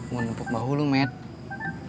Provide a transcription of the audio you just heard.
mau numpuk bahu lu matt